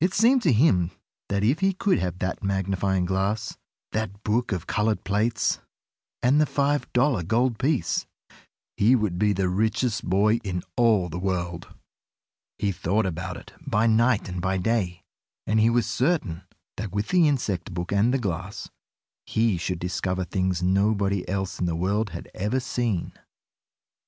It seemed to him that if he could have that magnifying glass, that book of colored plates, and the five dollar gold piece, he would be the richest boy in all the world! He thought about it by night and by day, and he was certain that with the insect book and the glass, he should discover things nobody else in the world had ever seen.